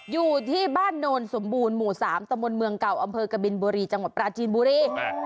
อยู่ที่บ้านโนนสมบูรณ์หมู่๓ตะมนต์เมืองเก่าอำเภอกบินบุรีจังหวัดปราจีนบุรี